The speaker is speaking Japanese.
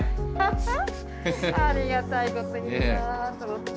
ありがたいこと言うなと思って。